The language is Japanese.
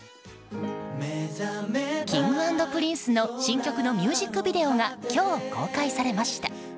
Ｋｉｎｇ＆Ｐｒｉｎｃｅの新曲のミュージックビデオが今日、公開されました。